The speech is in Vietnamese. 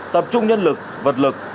tập trung nhân lực vật lực